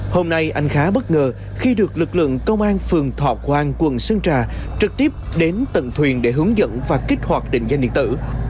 hôm nay anh khá bất ngờ khi được lực lượng công an phường thọ quang quận sơn trà trực tiếp đến tận thuyền để hướng dẫn và kích hoạt định danh điện tử